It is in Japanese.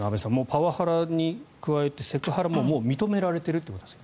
パワハラに加えてセクハラももう認められているということです。